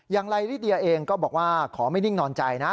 ไลลิเดียเองก็บอกว่าขอไม่นิ่งนอนใจนะ